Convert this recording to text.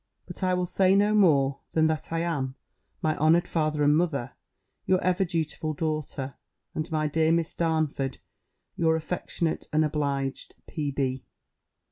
But I will say no more, than that I am, my honoured father and mother, your ever dutiful daughter; and, my dear Miss Darnford, your affectionate and obliged P.